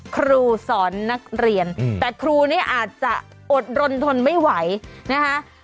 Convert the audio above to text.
ครูสอนนักเรียนแต่ครูเนี่ยอาจจะอดรนทนไม่ไหวนะคะ